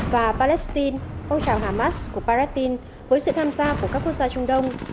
và palestine phong trào hamas của palestine với sự tham gia của các quốc gia trung đông